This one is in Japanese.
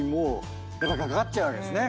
やっぱかかっちゃうわけですね。